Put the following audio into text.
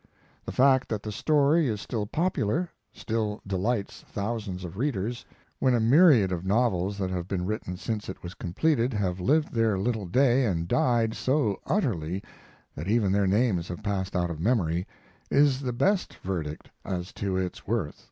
The fact that the story is still popular, still delights thousands of readers, when a myriad of novels that have been written since it was completed have lived their little day and died so utterly that even their names have passed out of memory, is the best verdict as to its worth.